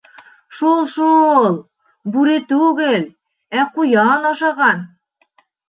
— Шул-шул, бүре түгел, ә ҡуян ашаған...